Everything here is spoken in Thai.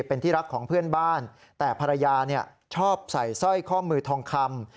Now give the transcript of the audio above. เป็นที่รักของเพื่อนบ้านแต่ภรรยาชอบใส่สร้อยข้อมือทองคำ